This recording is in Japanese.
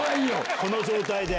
この状態で。